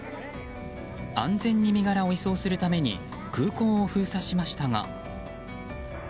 安全に身柄を移送するために空港を封鎖しましたが。